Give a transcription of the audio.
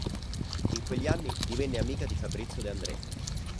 In quegli anni divenne amica di Fabrizio De André.